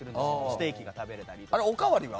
ステーキが食べられたり。